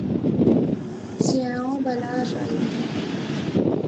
C'est un emballage à étages.